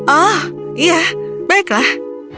oh iya baiklah